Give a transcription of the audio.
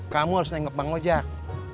kamu harus nengok bang ojek